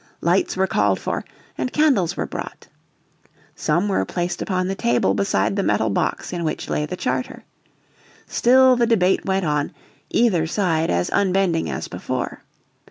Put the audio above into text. Lights were called for, and candles were brought. Some were placed upon the table beside the metal box in which lay the charter. Still the debate went on, either side as unbending as before.